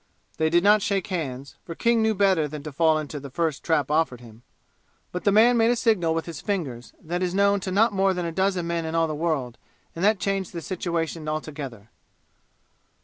They did not shake hands, for King knew better than to fall into the first trap offered him. But the man made a signal with his fingers that is known to not more than a dozen men in all the world, and that changed the situation altogether.